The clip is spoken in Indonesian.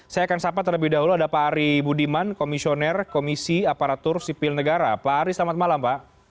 saya akan sapa terlebih dahulu ada pak ari budiman komisioner komisi aparatur sipil negara pak ari selamat malam pak